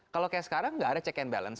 kalau kayak sekarang nggak ada check and balance